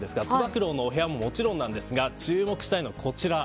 九郎のお部屋ももちろんですが注目したいのはこちら。